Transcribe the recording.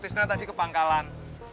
tisna tadi ke pangkalan